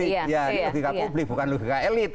iya ini logika publik bukan logika elit